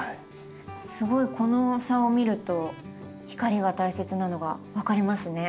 すごいこの差を見ると光が大切なのが分かりますね。